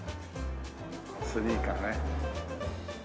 スニーカーね。